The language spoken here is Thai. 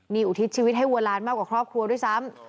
นี่อุทิศชีวิตให้วัวลานมากกว่าครอบครัวด้วยซ้ำ